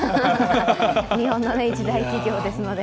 日本の一大企業ですので。